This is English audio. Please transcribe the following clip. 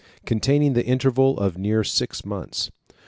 Containing The Interval Of Near Six Months.